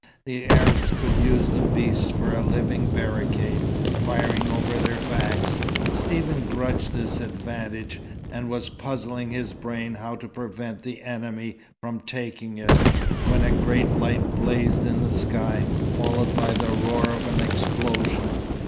The Arabs could use the beasts for a living barricade, firing over their backs. Stephen grudged this advantage, and was puzzling his brain how to prevent the enemy from taking it, when a great light blazed into the sky, followed by the roar of an explosion.